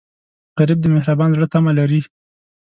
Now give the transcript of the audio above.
غریب د مهربان زړه تمه لري